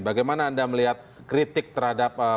bagaimana anda melihat kritik terhadap